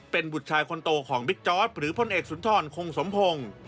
เป็นบุตรชายคนโตของบิ๊กจอร์ดหรือพลเอกสุนทรคงสมพงศ์